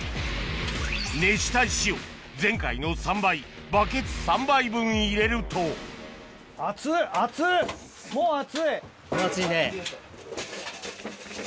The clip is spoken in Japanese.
熱した石を前回の３倍バケツ３杯分入れるともう熱いね。